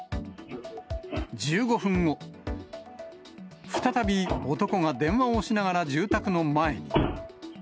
１５分後、再び、男が電話をしながら住宅の前に。